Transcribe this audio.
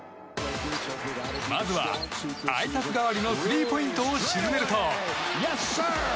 まずは、あいさつ代わりのスリーポイントを沈めると。